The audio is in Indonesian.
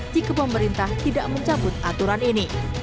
jika pemerintah tidak mencabut aturan ini